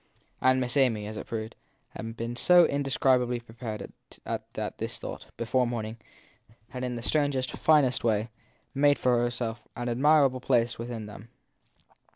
And Miss Amy, as it proved, had been so indescrib ably prepared that this thought, before morning, had, in the strangest, finest way, made for itself an admirable place with them.